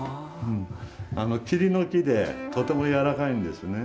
桐の木でとても柔らかいんですね。